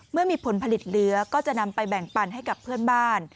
เมื่อมีผลผลิตเหลือก็จะนำไปแบ่งปันให้กับเพื่อนบ้าน